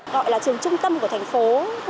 gọi là trường trung tâm của thành phố